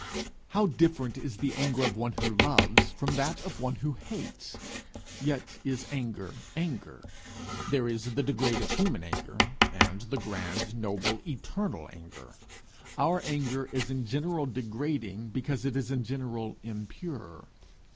How different is the anger of one who loves, from that of one who hates! yet is anger anger. There is the degraded human anger, and the grand, noble, eternal anger. Our anger is in general degrading, because it is in general impure.